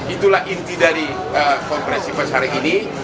itulah inti dari konferensi pesari ini